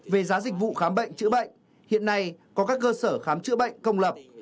về giá dịch vụ khám bệnh chữa bệnh hiện nay có các cơ sở khám chữa bệnh công lập